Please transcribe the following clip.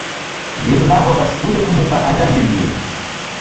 Linu naghora sikunde kumuka aja niendieghe.